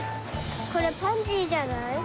これパンジーじゃない？